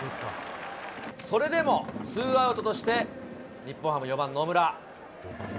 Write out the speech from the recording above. それでもツーアウトとして日本ハム４番野村。